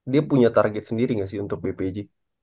dia punya target sendiri nggak sih untuk bpj